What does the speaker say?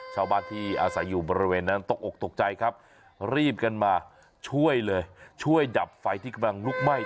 ชาวบ้านที่อาศัยอยู่บริเวณนั้นตกอกตกใจครับรีบกันมาช่วยเลยช่วยดับไฟที่กำลังลุกไหม้